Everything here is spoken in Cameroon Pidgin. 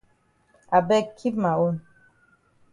I beg keep ma own.